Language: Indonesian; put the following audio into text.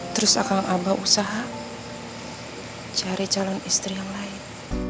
terus akan abah usaha cari calon istri yang lain